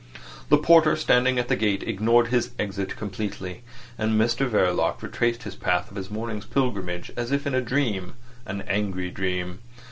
The porter standing at the gate ignored his exit completely; and Mr Verloc retraced the path of his morning's pilgrimage as if in a dream—an angry dream.